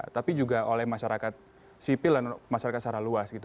tapi juga oleh masyarakat sipil dan masyarakat secara luas gitu